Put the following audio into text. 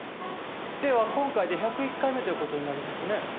では今回で１０１回目という事になりますね。